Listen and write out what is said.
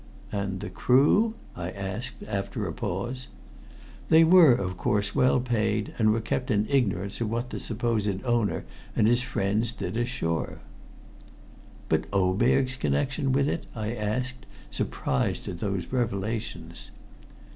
"And the crew?" I asked, after a pause. "They were, of course, well paid, and were kept in ignorance of what the supposed owner and his friends did ashore." "But Oberg's connection with it?" I asked, surprised at those revelations.